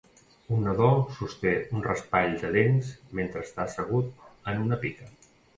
Un nadó sosté un raspall de dents mentre està assegut en una pica.